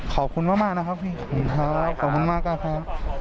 ขอบคุณมากนะครับพี่ครับขอบคุณมากครับ